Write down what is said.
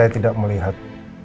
kita tidak melihat